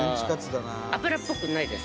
脂っぽくないです。